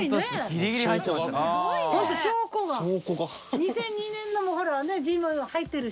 ２００２年のもほらね字も入ってるし。